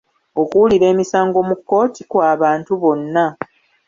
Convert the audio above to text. Okuwulira emisango mu kkooti kw'abantu bonna.